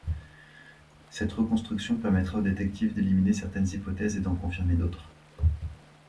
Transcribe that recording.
Cette reconstitution permettra au détective d'éliminer certaines hypothèses et d'en confirmer d'autres.